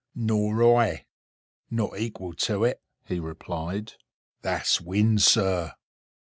"Nor I—not equal to it," he replied. "That's wind, sir.